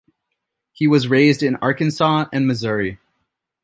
He was raised in Arkansas and Missouri.